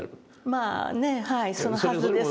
まあねえはいそのはずです。